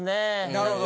なるほど。